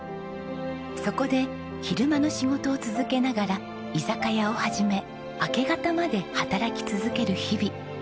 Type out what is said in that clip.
そこで昼間の仕事を続けながら居酒屋を始め明け方まで働き続ける日々。